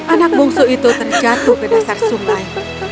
anak bungsu itu terjatuh ke dasar sungai